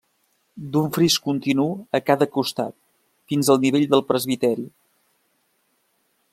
D'un fris continu a cada costat fins al nivell del presbiteri.